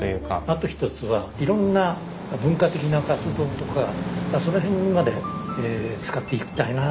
あと一つはいろんな文化的な活動とかその辺まで使っていきたいな。